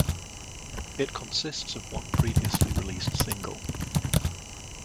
It consists of one previously released single.